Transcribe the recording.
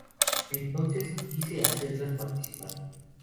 Entonces, quise hacerlas participar"".